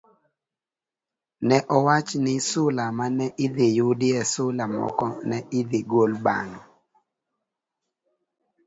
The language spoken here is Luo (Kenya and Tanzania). ne owach ni sula ma ne idhi yudie sula moko ne idhi gol bang'